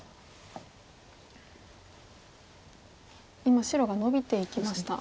今白がノビていきました。